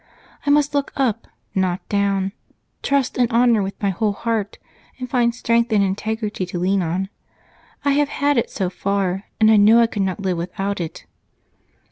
I must look up, not down, trust and honor with my whole heart, and find strength and integrity to lean on. I have had it so far, and I know I could not live without it."